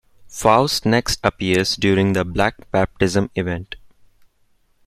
Faust next appears during the "Black Baptism" event.